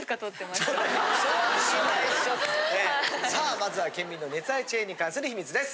さあまずは県民の熱愛チェーンに関する秘密です！